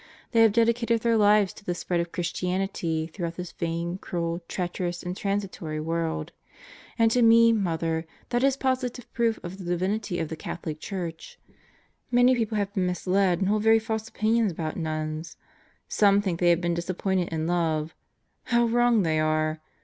They have dedicated their lives to the spread of Christianity throughout this vain, cruel, treacherous, and transitory world. And to me, Mother, that is positive proof of the Divinity of the Catholic Church. Many people have been misled and hold very false opinions ahout nuns. Some think they have been disappointed in love. How wrong they are!